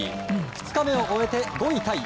２日目を終えて５位タイ。